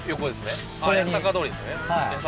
八坂通りですね。